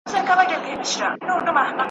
لکه ږغ په شنو درو کي د شپېلیو ,